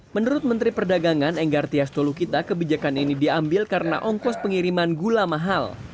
menurut menteri perdagangan enggar tias tolukita kebijakan ini diambil karena ongkos pengiriman gula mahal